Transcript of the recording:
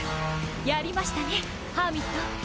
やりましたねハーミット。